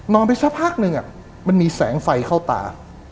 ไปสักพักหนึ่งมันมีแสงไฟเข้าตา